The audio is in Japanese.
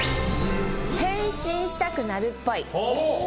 変身したくなるっぽい。